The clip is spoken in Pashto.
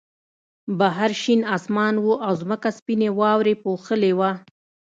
بهر شین آسمان و او ځمکه سپینې واورې پوښلې وه